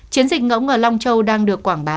chiến dịch ngẫug ở long châu đang được quảng bá